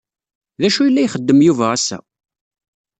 D acu yella ixeddem Yuba ass-a?